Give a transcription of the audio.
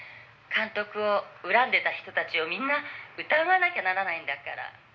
「監督を恨んでた人たちをみんな疑わなきゃならないんだから」